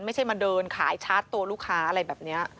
ไม่ใช่มาเดินขายชาร์จตัวลูกค้าอะไรแบบนี้